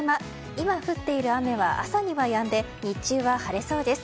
今降っている雨は朝にはやんで日中は晴れそうです。